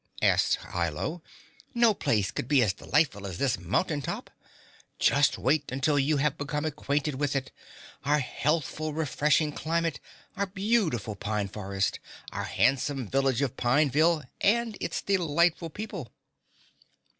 asked Hi Lo. "No place could be as delightful as this mountain top. Just wait until you have become acquainted with it our healthful, refreshing climate, our beautiful pine forest, our handsome village of Pineville and its delightful people!"